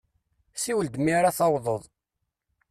Siwel-d mi ara tawḍeḍ.